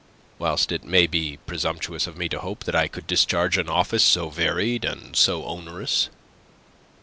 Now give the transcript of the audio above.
Whilst it may be presumptuous of me to hope that I could discharge an office so varied and so onerous..."